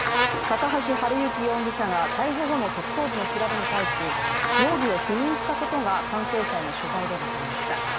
高橋治之容疑者が逮捕後の特捜部の調べに対し容疑を否認したことが関係者への取材で分かりました。